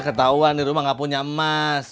ketahuan di rumah gak punya emas